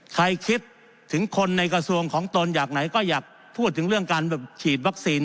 คิดถึงคนในกระทรวงของตนอยากไหนก็อยากพูดถึงเรื่องการฉีดวัคซีน